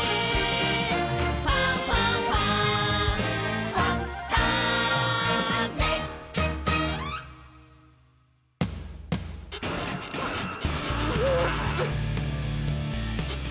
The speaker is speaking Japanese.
「ファンファンファン」ふん！